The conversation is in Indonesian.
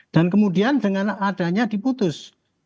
dan kemudian dengan adanya diputus